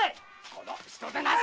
この人でなし！